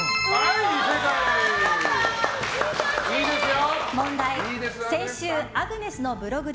いいですよ。